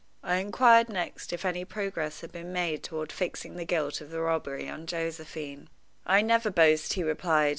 I inquired next if any progress had been made toward fixing the guilt of the robbery on Josephine. "I never boast," he replied.